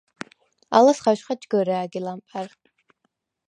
ალას ხაჟხა ჯგჷრა̄̈გი ლამპა̈რ.